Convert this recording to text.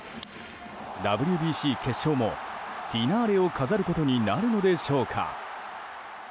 ＷＢＣ決勝もフィナーレを飾ることになるのでしょうか？